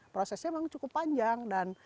prosesnya memang cukup panjang dan